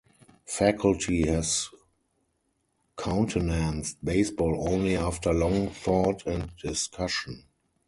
Faculty has countenanced baseball only after long thought and discussion.